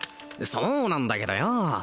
そうなんだけどよ